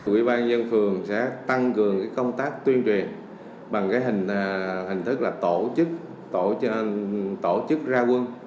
ủy ban nhân phường sẽ tăng cường công tác tuyên truyền bằng hình thức tổ chức ra quân